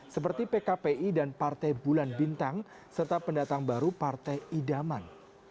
seperti pkpi dan partai bulan bintang serta pendatang baru partai idaman